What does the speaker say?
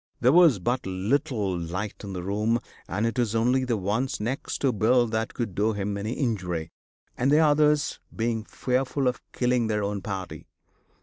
There was but little light in the room, and it was only the ones next to Bill that could do him any injury, the others being fearful of killing their own party.